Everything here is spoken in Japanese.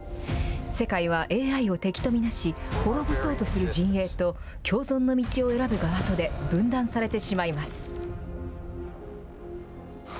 世界はＡＩを敵と見なし、滅ぼそうとする陣営と、共存の道を選ぶ側とで分断されてしまいます。